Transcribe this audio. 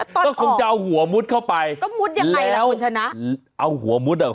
ตอนก็คงจะเอาหัวมุดเข้าไปก็มุดยังไงล่ะคุณชนะเอาหัวมุดอ่ะ